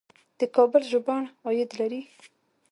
د کابل ژوبڼ عاید لري